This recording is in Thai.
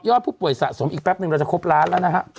ผู้ป่วยสะสมอีกแป๊บนึงเราจะครบล้านแล้วนะฮะ